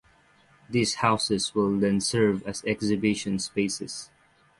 These houses will then serve as exhibition spaces.